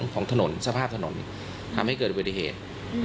ของสภาพถนนทำให้เกิดบัตรเหตุ